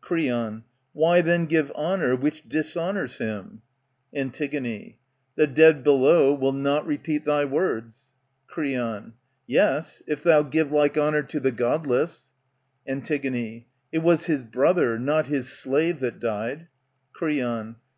Creon. Why then give honour which dishonours him ? iS8 ANTIGONE Antig. The dead below will not repeat thy words. Creon, Yes, if thoa give like honour to the godless. Antig, It was his brother, not his slave that died. Creon.